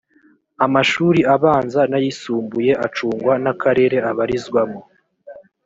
amashuri abanza n’ayisumbuye acungwa n’akarere abarizwamo